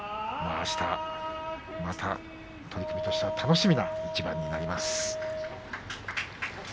あしたまた取組としては楽しみな一番になります。